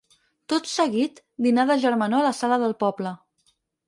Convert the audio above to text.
Tot seguit dinar de germanor a la sala del poble.